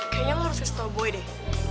kayaknya mau harus ke stowboy deh